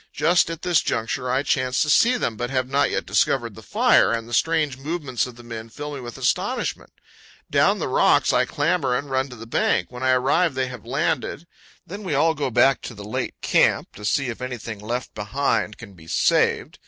Just at this juncture I chance to see them, but have not yet discovered the fire, and the strange movements of the men fill me with astonishment. Down the rocks I clamber, and run to the bank. When I arrive they have landed. Then we all go back to the late camp to see if anything left behind can be saved.